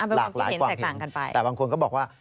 อ่ะหลากหลายกว่างเห็นกันไปแต่บางคนก็บอกว่า